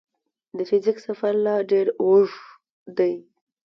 د فزیک سفر لا ډېر اوږ دی.